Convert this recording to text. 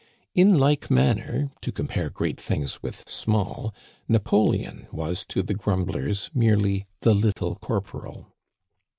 In like manner, to compare great things with small, Na poleon was to the grumblers merely "the little cor poral."